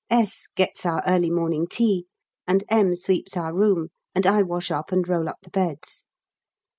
S gets our early morning tea, and M. sweeps our room, and I wash up and roll up the beds.